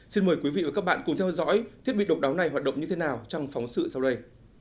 xin mời quý vị và các bạn cùng theo dõi thiết bị độc đáo này hoạt động như thế nào trong phóng sự sau đây